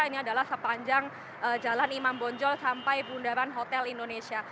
ini adalah sepanjang jalan imam bonjol sampai bundaran hotel indonesia